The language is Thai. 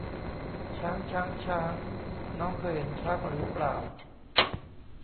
ช้าง ช้าง ช้าง น้องเคยเห็นช้างหรือเปล่า